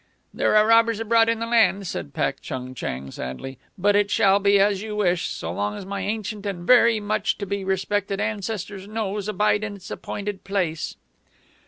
"There are robbers abroad in the land," said Pak Chung Chang, sadly. "But it shall be as you wish, so long as my ancient and very much to be respected ancestor's nose abide in its appointed place."